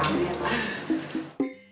sambil isi rame lah